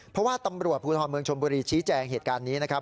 เพราะว่าตำรวจภูทรเมืองชมบุรีชี้แจงเหตุการณ์นี้นะครับ